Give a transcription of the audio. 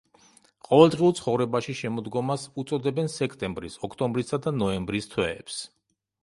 ყოველდღიურ ცხოვრებაში შემოდგომას უწოდებენ სექტემბრის, ოქტომბრისა და ნოემბრის თვეებს.